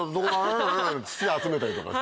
土集めたりとかさ。